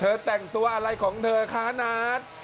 แต่งตัวอะไรของเธอคะนัท